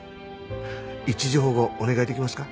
一時保護お願いできますか？